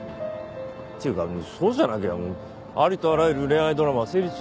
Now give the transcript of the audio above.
っていうかそうじゃなきゃありとあらゆる恋愛ドラマは成立しないだろう。